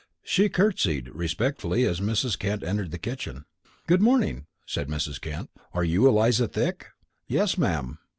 She curtseyed respectfully as Mrs. Kent entered the kitchen. "Good morning," said Mrs. Kent. "You are Eliza Thick?" "Yes, ma'am."